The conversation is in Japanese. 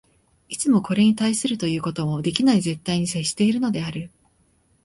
いつもこれに対するということもできない絶対に接しているのである。